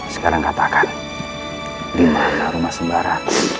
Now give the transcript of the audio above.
sekarang katakan lima rumah sembara